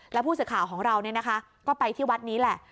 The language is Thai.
แล้วผู้สื่อข่าวของเราก็ไปที่วัดนี้แหละ